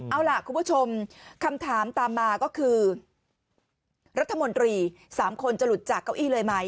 เอาล่ะคุณผู้ชมคำถามตามมาก็คือรัฐมนตรี๓คนจะหลุดจากเก้าอี้เลยไหม